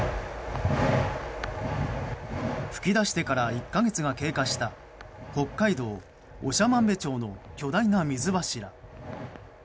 噴き出してから１か月が経過した北海道長万部町の巨大な水柱。